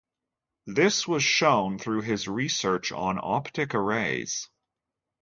This was shown through his research on optic arrays.